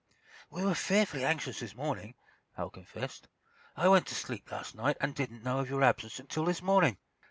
"We were fearfully anxious this morning," Hal confessed. "I went to sleep last night, and didn't know of your absence until this morning.